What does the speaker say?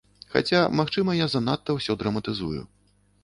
Хаця, магчыма, я занадта ўсё драматызую.